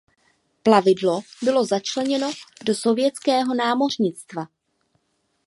Plavidlo bylo začleněno do sovětského námořnictva.